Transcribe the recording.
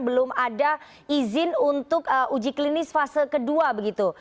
belum ada izin untuk uji klinis fase kedua begitu